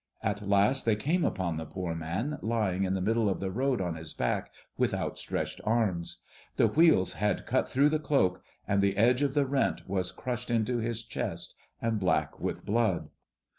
At last they came upon the poor man lying in the middle of the road on his back with outstretched arms. The wheels had cut through the cloak and the edge of the rent was crushed into his chest and black with blood.